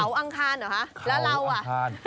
อังคารเหรอคะแล้วเราอ่ะ